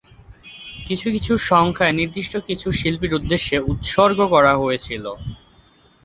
কিছু কিছু সংখ্যা নির্দিষ্ট কিছু শিল্পীর উদ্দেশ্যে উৎসর্গ করা হয়েছিলো।